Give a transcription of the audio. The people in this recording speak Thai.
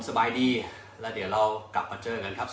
สบายดีแล้วเดี๋ยวเรากลับมาเจอกันครับ